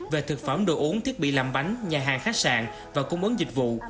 về thực phẩm đồ uống thiết bị làm bánh nhà hàng khách sạn và cung bấn dịch vụ